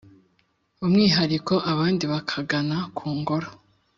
umwihariko, abandi bakagana ku ngoro